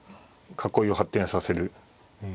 囲いを発展させる。